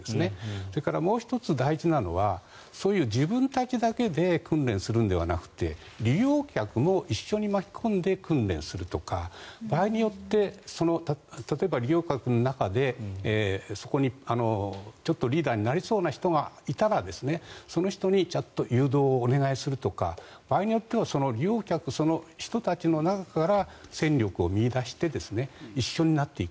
それからもう１つ大事なのはそういう、自分たちだけで訓練するのではなくて利用客も一緒に巻き込んで訓練するとか場合によっては例えば利用者の中でそこにリーダーになりそうな人がいたらその人にちょっと誘導をお願いするとか場合によっては利用客その人たちの中から戦力を見いだして一緒になっていく。